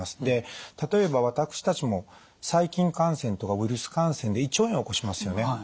で例えば私たちも細菌感染とかウイルス感染で胃腸炎を起こしますよね。